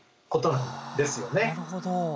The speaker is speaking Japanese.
なるほど。